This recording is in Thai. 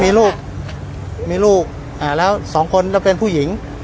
มีลูกมีลูกแล้วสองคนก็เป็นผู้หญิง